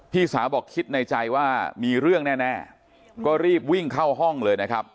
พี่สาวบอกคิดในใจว่ามีเรื่องแน่ก็รีบวิ่งเข้าห้องเลยนะครับ